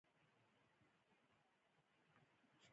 ازادي راډیو د اداري فساد په اړه د ټولنیزو رسنیو غبرګونونه راټول کړي.